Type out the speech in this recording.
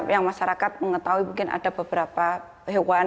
yang masyarakat mengetahui mungkin ada beberapa hewan